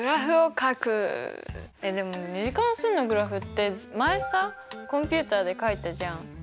でも２次関数のグラフって前さコンピューターでかいたじゃん。